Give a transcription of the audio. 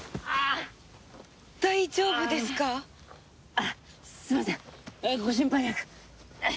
あっすいませんご心配なく。